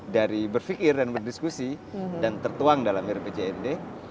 dari berfikir dan berdiskusi dan tertuang dalam rpcrd